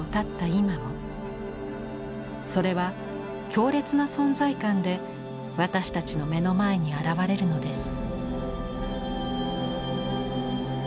今もそれは強烈な存在感で私たちの目の前に現れるのです。